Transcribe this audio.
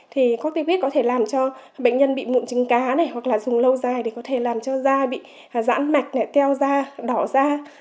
thì cortipid có thể làm cho bệnh nhân bị mụn trứng cá này hoặc là dùng lâu dài thì có thể làm cho da bị giãn mạch teo da đỏ da